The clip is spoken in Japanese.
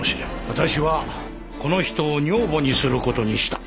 私はこの人を女房にする事にした。